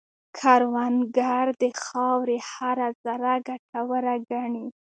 کروندګر د خاورې هره ذره ګټوره ګڼي